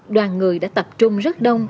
đoàn người đã tập trung rất đông